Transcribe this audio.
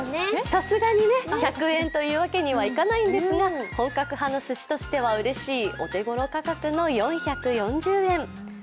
さすがにね、１００円というわけにはいかないんですが本格派のすしとしてはうれしいお手ごろ価格の４４０円。